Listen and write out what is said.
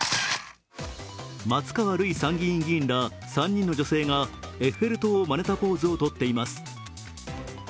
松川るい参議院議員ら、３人の女性がエッフェル塔をまねたポーズをとっていずつ。